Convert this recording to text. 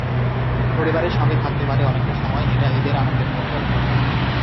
পরিবারের সঙ্গে থাকতে পারি অনেকটা সময়, এটা ঈদের আনন্দের মধ্যে অন্যতম।